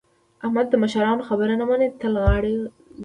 احمد د مشرانو خبره نه مني؛ تل غاړه ځوي.